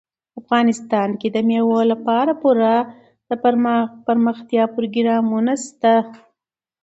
افغانستان کې د مېوو لپاره پوره دپرمختیا پروګرامونه شته دي.